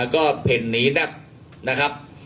ก็เผ็ดหนีนับ